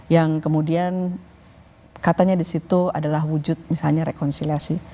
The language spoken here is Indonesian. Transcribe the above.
yang kemudian katanya di situ adalah wujud misalnya rekonsiliasi